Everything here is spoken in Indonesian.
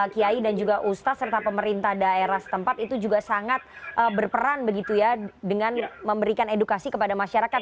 kiai dan juga ustadz serta pemerintah daerah setempat itu juga sangat berperan begitu ya dengan memberikan edukasi kepada masyarakat